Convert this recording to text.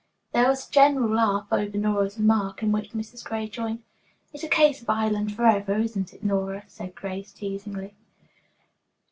There was a general laugh over Nora's remark in which Mrs. Gray joined. "It's a case of Ireland forever, isn't it Nora?" said Grace teasingly.